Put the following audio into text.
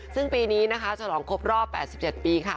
ซึ่งปีนี้นะคะฉลองครบรอบ๘๗ปีค่ะ